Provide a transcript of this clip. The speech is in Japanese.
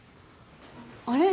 あれ？